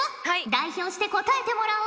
代表して答えてもらおう！